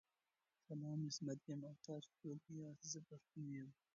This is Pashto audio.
سلام عصمت یم او تاسو څوک ياست ذه پښتون یم